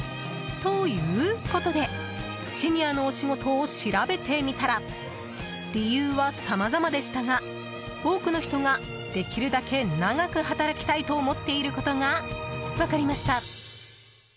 ということでシニアのお仕事を調べてみたら理由はさまざまでしたが多くの人ができるだけ長く働きたいと思っていることが分かりました。